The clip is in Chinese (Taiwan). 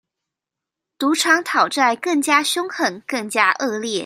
賭場討債更加兇狠、更加惡劣